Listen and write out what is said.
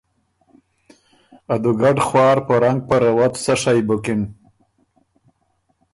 ا دُوګډ خوار په رنګ په رؤت سۀ شئ بُکِن۔